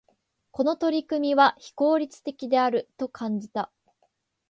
この取り組みは、非効率的であると感じた。